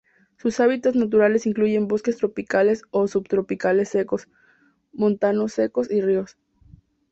Sus hábitats naturales incluyen bosques tropicales o subtropicales secos, montanos secos y ríos.